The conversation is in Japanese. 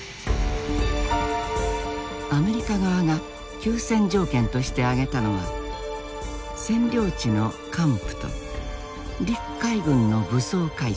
アメリカ側が休戦条件として挙げたのは占領地の還附と陸海軍の武装解除。